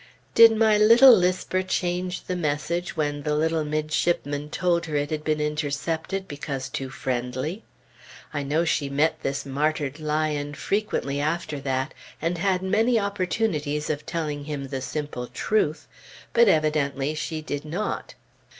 Did my little lisper change the message when the little midshipman told her it had been intercepted because too friendly? I know she met this martyred Lion frequently after that and had many opportunities of telling him the simple truth, but she evidently did not.